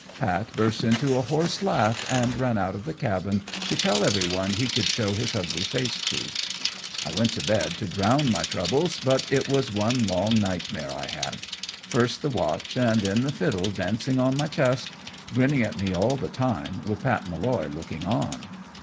Pat only burst into a hoarse laugh, and ran out of the cabin to tell every one, he could show his ugly face to. I went to bed to drown my troubles, but it was one long night mare I had; first the watch and then the fiddle dancing on my chest, grinning at me all the while, with Pat Molloy looking on.